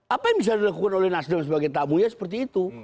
apa yang bisa dilakukan oleh nasdem sebagai tamunya seperti itu